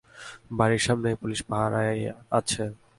বাড়ির সামনেই পুলিশ পাহারা আছে।